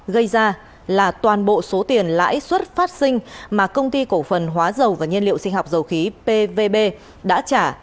gây ra là toàn bộ số tiền lãi suất phát sinh mà công ty cổ phần hóa dầu và nhiên liệu sinh học dầu khí pvb đã trả